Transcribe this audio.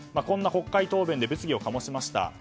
こんな国会答弁で物議を醸しました。